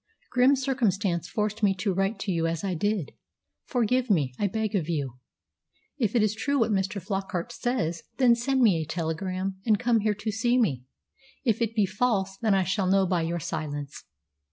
"Grim circumstance forced me to write to you as I did. Forgive me, I beg of you. If it is true what Mr. Flockart says, then send me a telegram, and come here to see me. If it be false, then I shall know by your silence.